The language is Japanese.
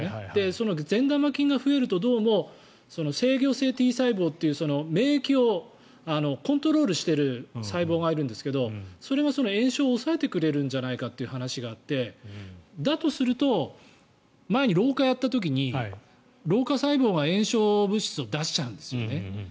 その善玉菌が増えるとどうも制御性Ｔ細胞という免疫をコントロールしている細胞がいるんですけどそれが炎症を抑えてくれるんじゃないかという話があってだとすると前に老化をやった時に老化細胞が炎症物質を出しちゃうんですね。